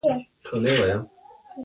بشپړ تغییر راغلی وو.